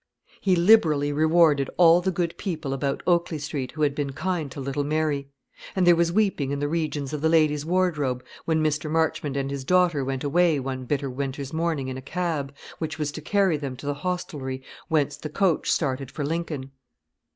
He liberally rewarded all the good people about Oakley Street who had been kind to little Mary; and there was weeping in the regions of the Ladies' Wardrobe when Mr. Marchmont and his daughter went away one bitter winter's morning in a cab, which was to carry them to the hostelry whence the coach started for Lincoln.